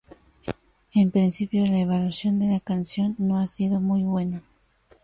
En principio la evaluación de la canción no ha sido muy buena.